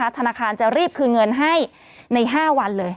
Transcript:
ธนาคารจะรีบคืนเงินให้ใน๕วันเลย